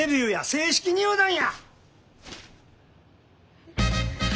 正式入団や！